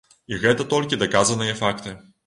І гэта толькі даказаныя факты.